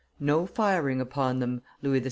"No firing upon them," Louis XVI.